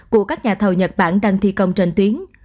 của các nhà thầu nhật bản đang thi công trên tuyến